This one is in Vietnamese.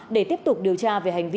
để tiếp tục điều tra về hành vi